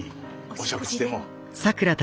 お食事でも。